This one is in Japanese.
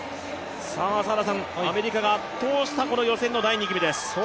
アメリカが圧倒した予選の第２組です。